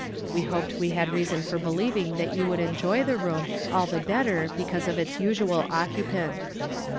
We hoped we had nnison for believing that you would enjoy the room all the better because of its usual oecu{)ant."